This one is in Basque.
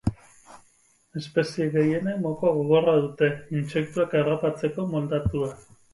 Espezie gehienek moko gogora dute, intsektuak harrapatzeko moldatua.